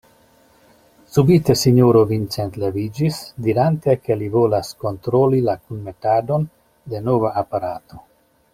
Subite sinjoro Vincent leviĝis, dirante, ke li volas kontroli la kunmetadon de nova aparato.